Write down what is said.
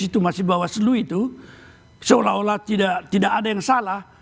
situasi bawaslu itu seolah olah tidak ada yang salah